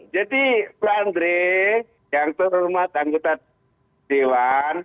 jadi pak andre yang terhormat anggota dewan